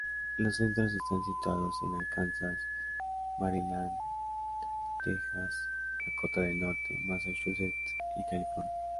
Los centros están situados en Arkansas, Maryland, Tejas, Dakota del Norte, Massachusetts, y California.